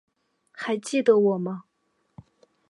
还记得我吗？